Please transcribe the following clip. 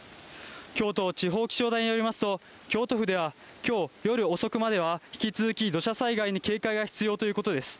京都地方気象台によりますと、京都府ではきょう夜遅くまでは、引き続き土砂災害に警戒が必要ということです。